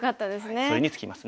それに尽きますね。